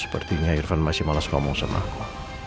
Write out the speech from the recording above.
sepertinya irvan masih males ngomong sama aku